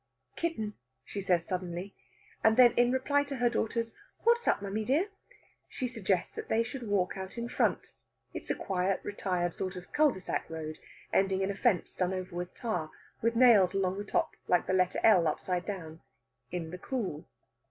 "Kitten!" she says suddenly. And then in reply to her daughter's, "What's up, mammy dear?" she suggests that they shall walk out in front it is a quiet, retired sort of cul de sac road, ending in a fence done over with tar, with nails along the top like the letter L upside down in the cool.